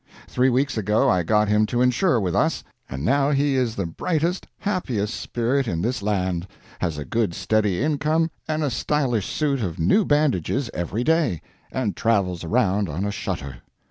Three weeks ago I got him to insure with us, and now he is the brightest, happiest spirit in this land has a good steady income and a stylish suit of new bandages every day, and travels around on a shutter.